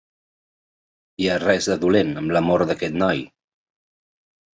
Hi ha res de dolent amb l'amor d'aquest noi.